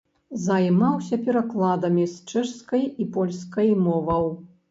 Займаўся перакладамі з чэшскай і польскай моваў.